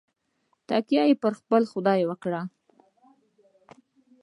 تکیه پر خپل خدای وکړه.